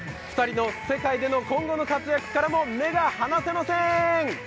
２人の世界での今後の活躍からも目が離せません！